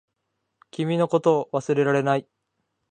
君のことを忘れられない